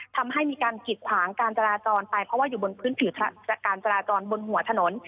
ทำให้มีการกิดขวางการจราจรไปเพราะว่าอยู่บนพื้นผิวการจราจรบนหัวถนน